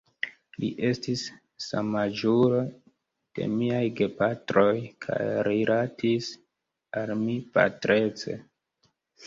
Li estis samaĝulo de miaj gepatroj kaj rilatis al mi patrece.